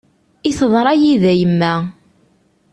I teḍra yid-i a yemma.